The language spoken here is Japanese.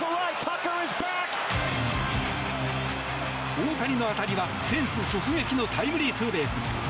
大谷の当たりはフェンス直撃のタイムリーツーベース。